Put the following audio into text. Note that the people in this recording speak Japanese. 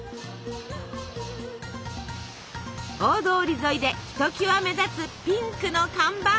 大通り沿いでひときわ目立つピンクの看板。